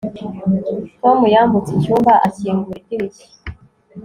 Tom yambutse icyumba akingura idirishya